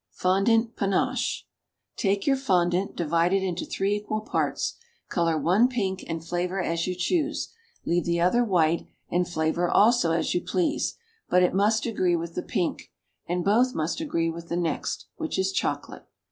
FONDANT PANACHÉ. Take your fondant, divide it in three equal parts, color one pink and flavor as you choose, leave the other white and flavor also as you please; but it must agree with the pink, and both must agree with the next, which is chocolate.